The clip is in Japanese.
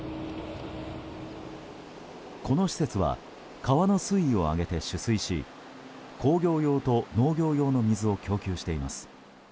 この施設は川の水位を上げて取水し工業用と農業用の水を供給しています。